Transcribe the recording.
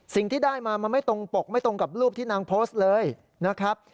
สิ่งที่ได้มามันไม่ตรงปกไม่ตรงกับรูปที่นางโพสต์เลยนะครับ